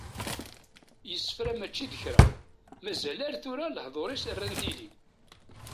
Yessefra mačči d kra, mazal ar tura, lehdur-is rran tili.